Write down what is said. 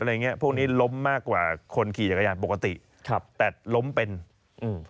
อย่างเงี้พวกนี้ล้มมากกว่าคนขี่จักรยานปกติครับแต่ล้มเป็นอืม